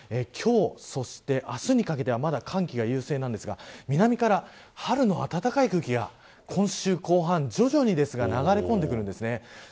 今日、そして明日にかけてはまだ寒気が優勢なんですが南から春の暖かい空気が今週後半徐々にですが流れ込んできます。